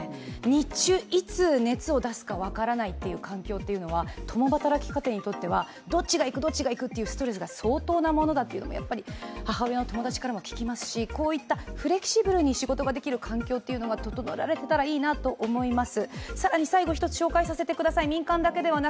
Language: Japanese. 日中、いつ熱を出すか分からない環境というのは共働き家庭では、どっちが行くかというストレスが相当なものだという、母親の友達からも聞きますしこういったフレキシブルに仕事ができる環境が整えられていたらいいなと思います。